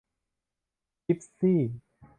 กิ๊บซี่